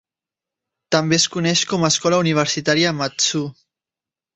També es coneix com a Escola Universitària Mat-Su.